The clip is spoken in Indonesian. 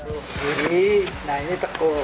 tuh ini nah ini tekuk